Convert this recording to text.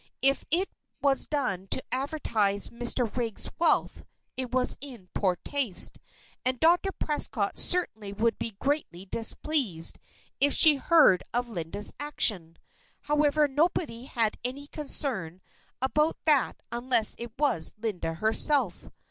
If it was done to advertise Mr. Riggs' wealth, it was in poor taste, and Dr. Prescott certainly would be greatly displeased if she heard of Linda's action. However, nobody had any concern about that unless it was Linda herself.